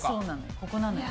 ここなのよ。